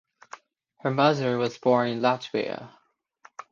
Her mother was born in Latvia.